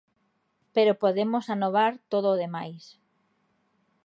Pero podemos anovar todo o demais.